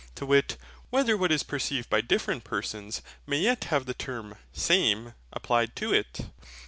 to wit, whether what is perceived by different persons may yet have the term SAME applied to it?